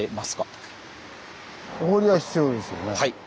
はい。